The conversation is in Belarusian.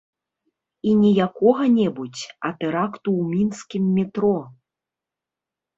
І не якога-небудзь, а тэракту ў мінскім метро!